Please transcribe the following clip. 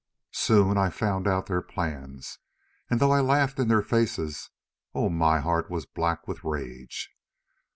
Soon I found out their plans, and though I laughed in their faces, oh! my heart was black with rage.